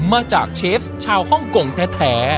มาจากเชฟชาวฮ่องกงแท้